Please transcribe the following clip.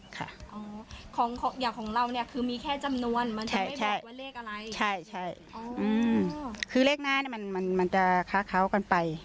ของของเราเนี่ยคือมีแค่จำนวนมันจะไม่บอกว่าเลขอะไรใช่คือเลขไหนมันจะค้าเค้ากันไป